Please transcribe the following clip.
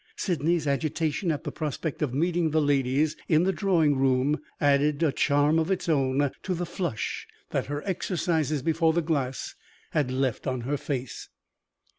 Sydney's agitation at the prospect of meeting the ladies in the drawing room added a charm of its own to the flush that her exercises before the glass had left on her face.